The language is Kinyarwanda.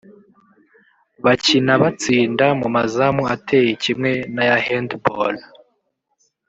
Bakina batsinda mu mazamu ateye kimwe n’aya Handball